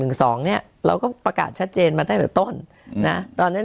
๑๒เนี่ยเราก็ประกาศชัดเจนมาตั้งแต่ต้นนะ